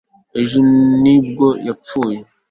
ejo ni bwo yapfuye